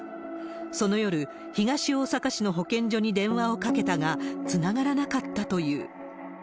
その夜、東大阪市の保健所に電話をかけたが、つながらなかったという。